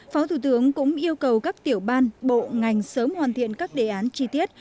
phó thủ tướng cũng yêu cầu các tiểu ban bộ ngành sớm hoàn thiện các đề án chi tiết